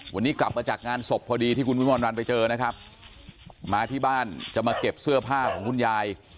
วันนี้กลับมาจากงานศพพอดีที่คุณวิมวลวันไปเจอนะครับมาที่บ้านจะมาเก็บเสื้อผ้าของคุณยาย